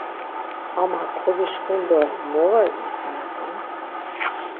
Ama kogişǩun do mo var isinapam.